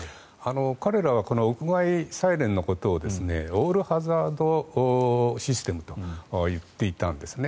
彼らは屋外サイレンのことをオールハザード・アラート・システムと言っていたんです。